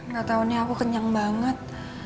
gatau nih aku kenyang banget